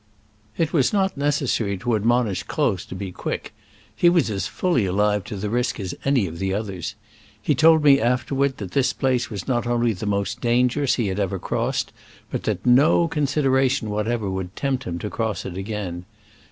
It was not necessary to admonish Croz to be quick. He was as fully alive to the risk as any of the others. He told me afterward that this place was not only the most dangerous he had ever crossed, but that no consideration what ever would tempt him to cross it again.